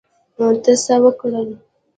تا څه وکړل؟